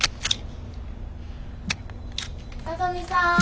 聡美さん。